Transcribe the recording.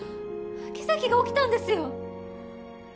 奇跡が起きたんですよ！